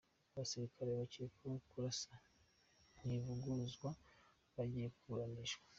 Abasirikare bakekwaho kurasa Ntivuguruzwa bagiye kuburanishwa.